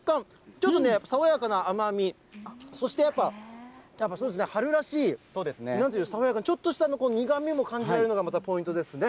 ちょっとね、爽やかな甘み、そしてやっぱ、そうですね、春らしい、なんというか、爽やかな、ちょっとした苦みも感じられるのがポイントですね。